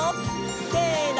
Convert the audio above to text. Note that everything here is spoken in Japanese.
せの！